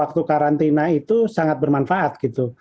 waktu karantina itu sangat bermanfaat gitu